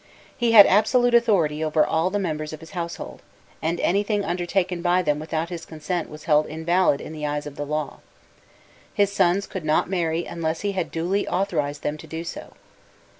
He had absolute authority over all the members of his household, and anything undertaken by them without his consent was held invalid in the eyes of the law; his sons could not marry unless he had duly authorized them to do so.